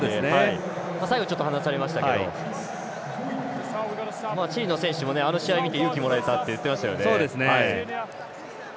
最後、ちょっと離されましたけどチリの選手もあの試合を見て勇気をもらえたって言ってましたね。